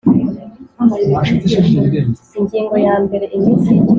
Ingingo ya mbere Iminsi y ikiruhuko iteganywa